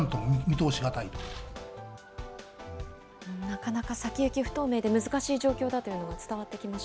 なかなか先行き不透明で難しい状況だというのが伝わってきま